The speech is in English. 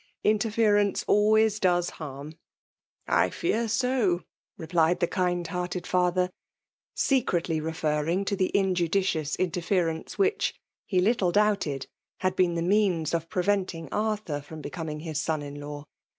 " Interference always does harm." PBUALK DOMINATION. 11$ '' I &flr SO !*' replied the kind hearted father, secretly referring to the injudidbuB interference whidit he little doubted, had been the means of pieventing Arthur from becoming his son* in law.